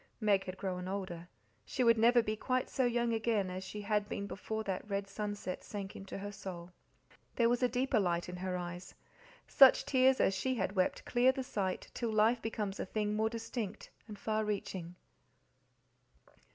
Meg had grown older; she would never be quite so young again as she had been before that red sunset sank into her soul. There was a deeper light in her eyes; such tears as she had wept clear the sight till life becomes a thing more distinct and far reaching.